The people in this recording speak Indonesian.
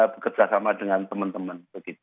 bekerja sama dengan teman teman